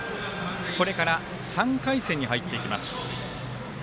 これから３回戦に入っていきます。